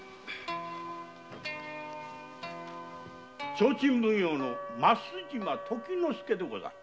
提灯奉行の増島時之介でござる。